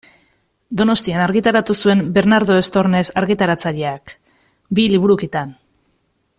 Donostian argitaratu zuen Bernardo Estornes argitaratzaileak, bi liburukitan.